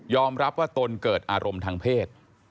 รับว่าตนเกิดอารมณ์ทางเพศ